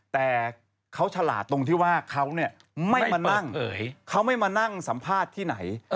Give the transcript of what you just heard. แต่เขาฉลาดตรงที่ว่าเขาไม่มานั่งสัมภาษณ์ที่ไหน